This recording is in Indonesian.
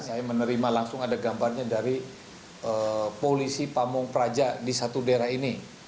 saya menerima langsung ada gambarnya dari polisi pamung prajurit